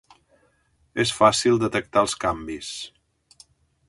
És fàcil detectar els canvis.